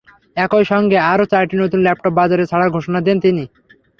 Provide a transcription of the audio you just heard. একই সঙ্গে আরও চারটি নতুন ল্যাপটপ বাজারে ছাড়ার ঘোষণা দেন তিনি।